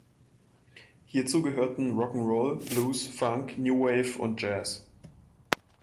Hierzu gehörten Rock ’n’ Roll, Blues, Funk, New Wave und Jazz.